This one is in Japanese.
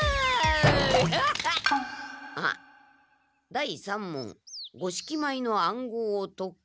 「第三問五色米の暗号を解け」。